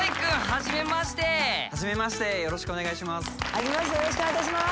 はじめましてよろしくお願いいたします。